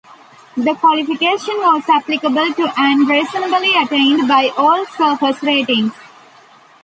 The qualification was applicable to and reasonably attainable by all "surface" ratings.